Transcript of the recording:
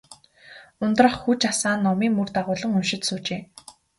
Ундрах хүж асаан, номын мөр дагуулан уншиж суужээ.